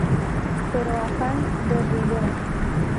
Pero Afán de Ribera".